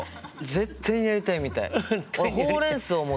絶対にやりたいみたい。